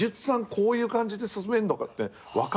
こういう感じで進めんのかって分かって。